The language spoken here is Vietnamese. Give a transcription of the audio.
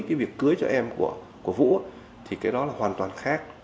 cái việc cưới cho em của vũ thì cái đó là hoàn toàn khác